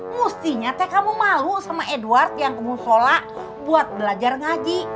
mestinya kamu malu sama edward yang mau sholat buat belajar ngaji